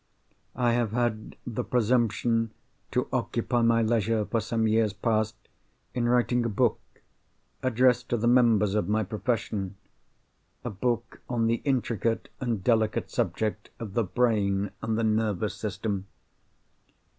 I have had the presumption to occupy my leisure, for some years past, in writing a book, addressed to the members of my profession—a book on the intricate and delicate subject of the brain and the nervous system.